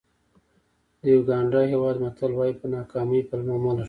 د یوګانډا هېواد متل وایي په ناکامۍ پلمه مه لټوئ.